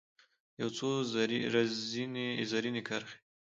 یو څو رزیني کرښې